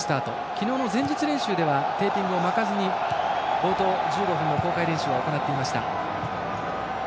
昨日の前日練習ではテーピングをせずに冒頭１５分の公開練習は行っていました。